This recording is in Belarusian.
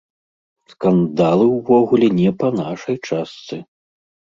Скандалы ўвогуле не па нашай частцы.